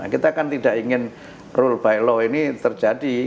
kita kan tidak ingin rule by law ini terjadi